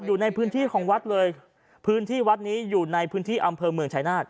อยู่ในพื้นที่ของวัดเลยพื้นที่วัดนี้อยู่ในพื้นที่อำเภอเมืองชายนาฏ